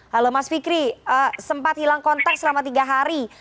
halo mas fikri sempat hilang kontak selama tiga hari